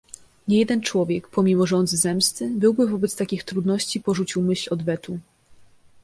"Niejeden człowiek, pomimo żądzy zemsty, byłby wobec takich trudności porzucił myśl odwetu."